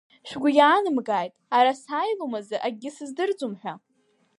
Шәгәы иаанамгааит ара сааилом азы акгьы сыздырӡом ҳәа.